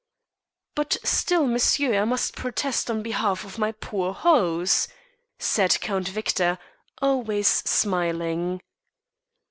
"But still, monsieur, I must protest on behalf of my poor hose," said Count Victor, always smiling.